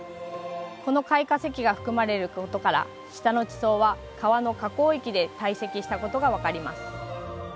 この貝化石が含まれることから下の地層は川の河口域で堆積したことが分かります。